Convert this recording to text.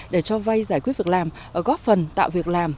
để cho vay giải quyết việc làm góp phần tạo việc làm